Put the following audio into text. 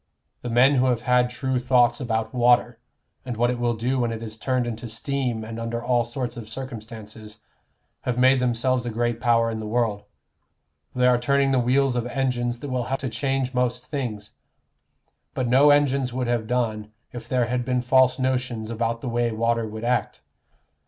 The men who have had true thoughts about water, and what it will do when it is turned into steam and under all sorts of circumstances, have made themselves a great power in the world: they are turning the wheels of engines that will help to change most things. But no engines would have done, if there had been false notions about the way water would act.